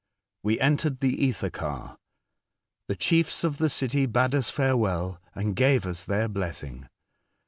"We entered the ether car. The chiefs of the city bade us farewell, and gave us their blessing.